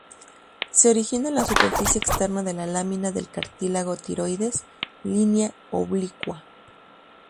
Se origina en la superficie externa de la lámina del cartílago tiroides, línea oblicua.